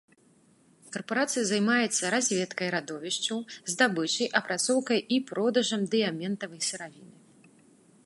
Карпарацыя займаецца разведкай радовішчаў, здабычай, апрацоўкай і продажам дыяментавай сыравіны.